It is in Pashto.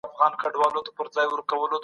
څېړنه باید د موضوع له مخې وي.